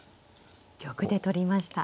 玉で取りました。